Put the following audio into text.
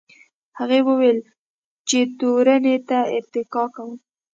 هغه وویل چې تورنۍ ته ارتقا کوم.